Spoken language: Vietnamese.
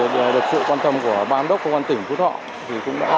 được sự quan tâm của ba án đốc của quân tỉnh phú thọ